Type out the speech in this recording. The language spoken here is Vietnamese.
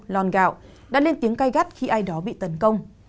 lòn gạo đã lên tiếng cay gắt khi ai đó bị tấn công